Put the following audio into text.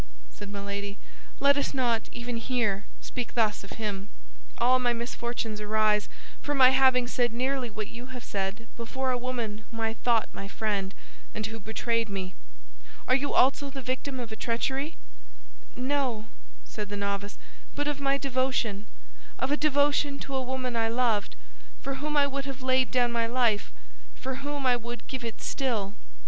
said Milady; "let us not, even here, speak thus of him. All my misfortunes arise from my having said nearly what you have said before a woman whom I thought my friend, and who betrayed me. Are you also the victim of a treachery?" "No," said the novice, "but of my devotion—of a devotion to a woman I loved, for whom I would have laid down my life, for whom I would give it still."